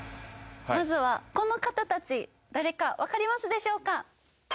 まずはこの方たち誰か分かりますでしょうか？